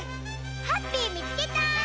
ハッピーみつけた！